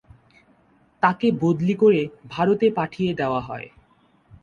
তাকে বদলী করে ভারতে পাঠিয়ে দেওয়া হয়।